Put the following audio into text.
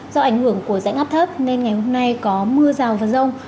do ảnh hưởng của dãy ngắp thấp nên ngày hôm nay có mưa rào và rông